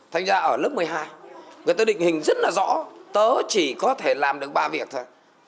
thành ra ở lớp một mươi hai người ta định hình rất là rõ tớ chỉ có thể làm được ba việc thôi